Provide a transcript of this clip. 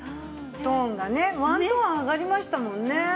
トーンがねワントーン上がりましたもんね。